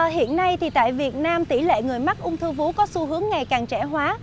hiện nay tại việt nam tỷ lệ người mắc ung thư vú có xu hướng ngày càng trẻ hóa